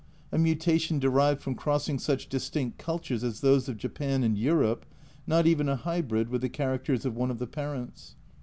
A mutation derived from crossing such distinct cultures as those of Japan and Europe, not even a hybrid with the characters of one of the parents.